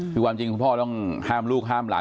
คือความจริงคุณพ่อต้องห้ามลูกห้ามหลาน